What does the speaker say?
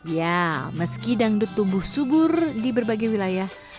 ya meski dangdut tumbuh subur di berbagai wilayah